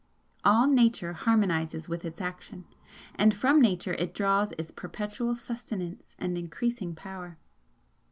All Nature harmonises with its action, and from Nature it draws its perpetual sustenance and increasing power.